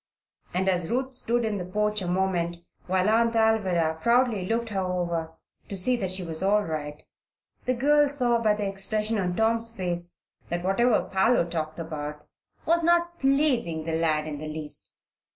And as Ruth stood in the porch a moment, while Aunt Alvirah proudly looked her over to see that she was all right, the girl saw by the expression on Tom's face that whatever Parloe talked about was not pleasing the lad in the least.